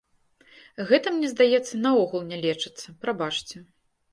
Гэта, мне здаецца, наогул не лечыцца, прабачце.